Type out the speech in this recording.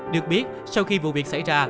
được biết sau khi vụ việc xảy ra